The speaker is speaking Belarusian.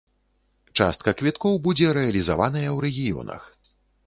Частка квіткоў будзе рэалізаваная ў рэгіёнах.